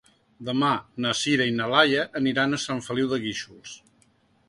Demà na Sira i na Laia aniran a Sant Feliu de Guíxols.